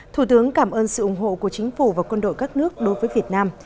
thủ tướng cảm ơn sự ủng hộ của chính phủ và quân đội các nước đối với việt nam